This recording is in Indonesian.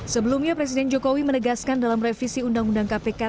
sebelumnya presiden jokowi menegaskan dalam revisi undang undang kpk